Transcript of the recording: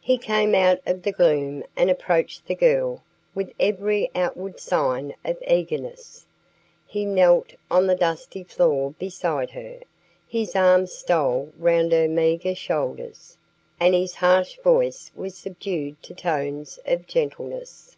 He came out of the gloom and approached the girl with every outward sign of eagerness. He knelt on the dusty floor beside her, his arms stole round her meagre shoulders, and his harsh voice was subdued to tones of gentleness.